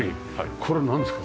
これなんですか？